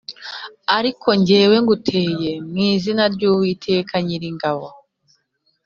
ariko jyewe nguteye mu izina ry’Uwiteka Nyiringabo